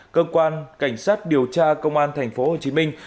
cơ quan cảnh sát điều tra công an tp hcm